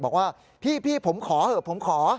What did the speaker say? บอกว่าพี่ผมขอเถอะผมขอ